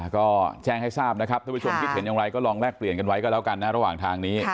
ก็แจ้งให้ทราบนะครับท่านผู้ชมคิดเห็นอย่างไรก็ลองแลกเปลี่ยนกันไว้ก็แล้วกันนะระหว่างทางนี้